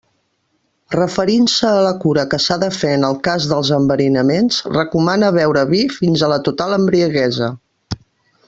Referint-se a la cura que s'ha de fer en el cas dels enverinaments, recomana beure vi fins a la total embriaguesa.